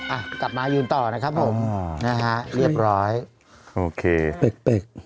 อ่ะกลับมายืนต่อนะครับผมนะฮะเรียบร้อยโอเคปึกปึก